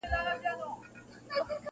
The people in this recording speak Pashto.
خلک غوټۍ ته روڼي شپې کړي-